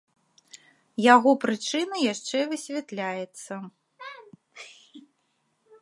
Яго прычына яшчэ высвятляецца.